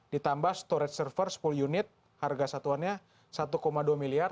ditambah storage server sepuluh unit harga satuannya satu dua miliar